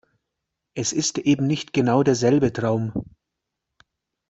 Es ist eben nicht genau derselbe Traum.